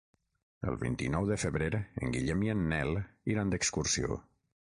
El vint-i-nou de febrer en Guillem i en Nel iran d'excursió.